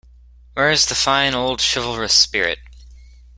Where is the fine, old, chivalrous spirit?